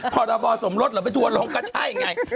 พรบสมรสหรือไม่ทัวร์ลงก็ใช่ไง